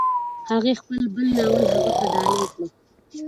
هغې خپل بل ناول هغه ته ډالۍ کړ.